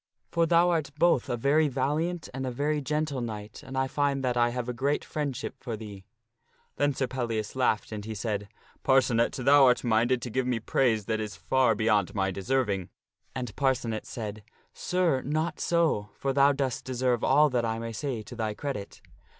For thou art both a very valiant and a very gentle knight, and I find that I have a great friend ship for thee." Then Sir Pellias laughed, and he said, " Parcenet, thou art minded to give me praise that is far beyond my deserving." And Parcenet said, " Sir, not so, for thou dost deserve all that I may say to thy credit."